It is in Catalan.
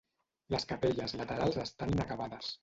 Les capelles laterals estan inacabades.